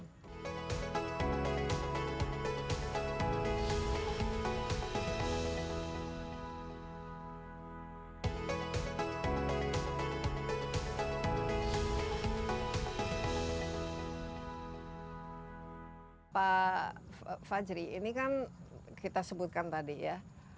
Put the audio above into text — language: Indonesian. nah pak fajri ini kan kita sebutkan tadi ya